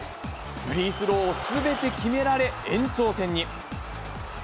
フリースローをすべて決められ延長戦に。